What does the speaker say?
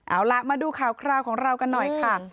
เอาล่ะมาดูข่าวคราวของเรากันหน่อยค่ะ